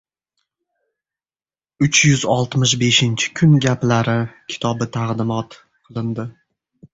“Uch yuz oltmish beshinchi kun gaplari” kitobi taqdimot qilindi